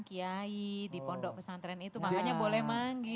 guru ponakan kiai di pondok pesantren itu makanya boleh manggil